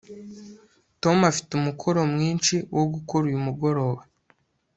tom afite umukoro mwinshi wo gukora uyu mugoroba